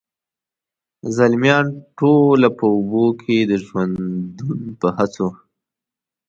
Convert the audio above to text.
زلمیان ټوله په اوبو کي د ژوندون په هڅو،